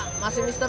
kan masih misteri